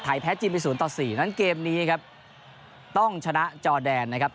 แพ้จีนไป๐ต่อ๔นั้นเกมนี้ครับต้องชนะจอแดนนะครับ